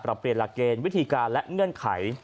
เปลี่ยนหลักเกณฑ์วิธีการและเงื่อนไข